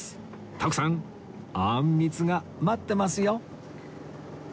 徳さんあんみつが待ってますよ